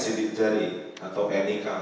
sidik jari atau nik